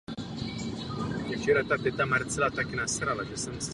Vystudoval Přírodovědeckou fakultu Univerzity Karlovy v Praze.